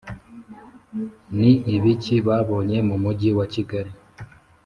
ni ibiki babonye mu mujyi wa kigali?